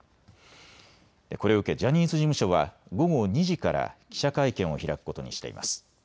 これを受けジャニーズ事務所は午後２時から記者会見を開くことにしています。